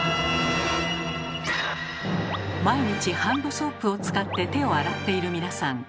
毎日ハンドソープを使って手を洗っている皆さん。